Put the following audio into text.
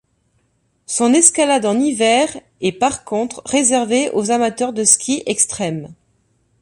Son escalade en hiver est, par contre, réservée aux amateurs de ski extrême.